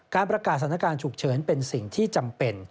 ประกาศสถานการณ์ฉุกเฉินเป็นสิ่งที่จำเป็น